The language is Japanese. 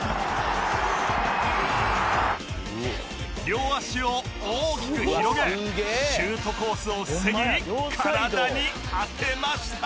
両足を大きく広げシュートコースを防ぎ体に当てました